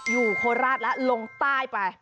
อยู่โคลาสแล้วลงใต้ไป